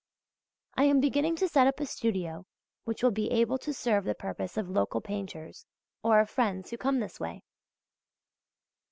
I am beginning to set up a studio which will be able to serve the purpose of local painters or of friends who come this way.